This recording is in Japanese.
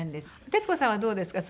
徹子さんはどうですか？